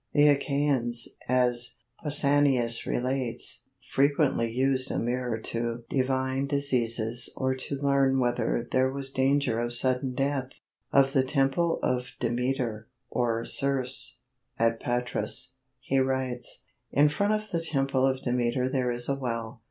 ] The Achaians, as Pausanius relates, frequently used a mirror to divine diseases or to learn whether there was danger of sudden death. Of the Temple of Demeter, or Ceres, at Patras, he writes: In front of the temple of Demeter there is a well.